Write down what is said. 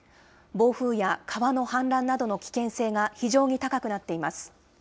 暴風や川の氾濫などの危険性が非常に高くなっています。